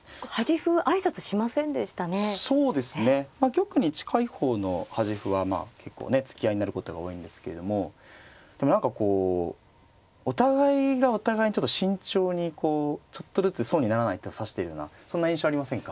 玉に近い方の端歩はまあ結構ね突き合いになることが多いんですけどもでも何かこうお互いがお互いにちょっと慎重にこうちょっとずつ損にならない手を指しているようなそんな印象ありませんか。